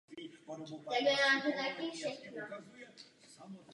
Nakonec se stal členem ruské reprezentace a udržel se v ní dlouhou dobu.